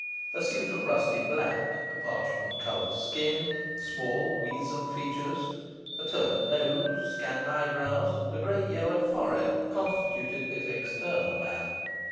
A suit of rusty black, a parchment coloured skin, small wizen features, a turn up nose, scant eyebrows, and a great yellow forehead, constituted his external man.